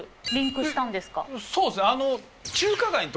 そうですね。